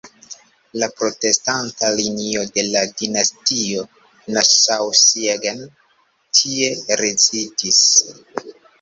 La protestanta linio de la dinastio "Nassau-Siegen" tie rezidis.